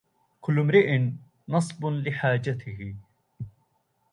كل امرئ نصب لحاجته